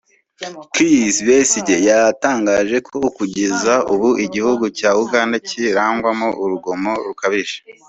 Kizza Besigye yatangaje ko kugeza ubu igihugu cya Uganda cyirangwamo urugomo rukabije